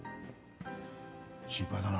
心配だな。